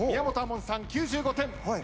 門さん９５点。